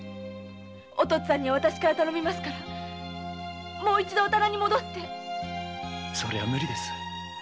お父っつぁんには私から頼みますからもう一度戻ってそれは無理です。